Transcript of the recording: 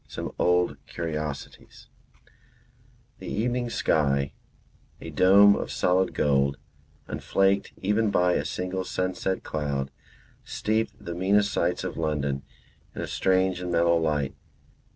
SOME OLD CURIOSITIES The evening sky, a dome of solid gold, unflaked even by a single sunset cloud, steeped the meanest sights of London in a strange and mellow light.